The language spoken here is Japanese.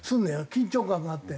緊張感があって。